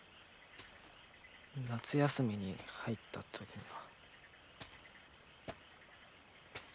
夏休みに入った時には。